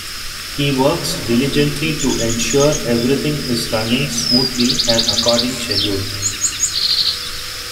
He works diligently to ensure everything is running smoothly and according schedule.